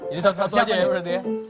satu satu aja ya berarti ya